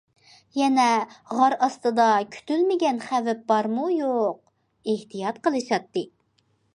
يەنە غار ئاستىدا كۈتۈلمىگەن خەۋپ بارمۇ- يوق، ئېھتىيات قىلىشاتتى.